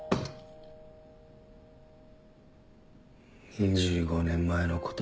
２５年前のこと。